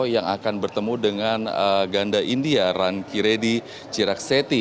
yang akan bertemu dengan ganda india ranki reddy chirakseti